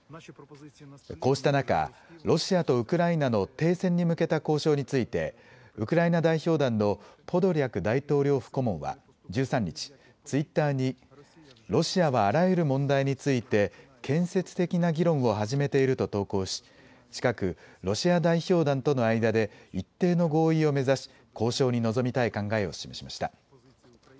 こうした中、ロシアとウクライナの停戦に向けた交渉についてウクライナ代表団のポドリャク大統領府顧問は１３日、ツイッターにロシアはあらゆる問題について建設的な議論を始めていると投稿し近くロシア代表団との間で一定の合意を目指し交渉に臨みたい考えを示しました。